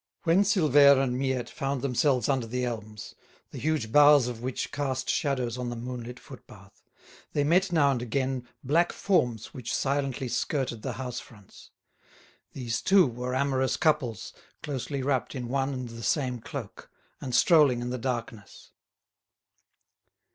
When Silvère and Miette found themselves under the elms, the huge boughs of which cast shadows on the moonlit footpath, they met now and again black forms which silently skirted the house fronts. These, too, were amorous couples, closely wrapped in one and the same cloak, and strolling in the darkness.